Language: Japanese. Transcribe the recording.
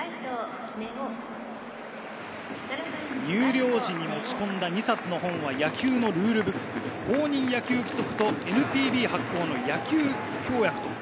入寮時に持ち込んだ２冊の本は野球のルールブック『公認野球規則』とＮＰＢ発行の『野球協約』。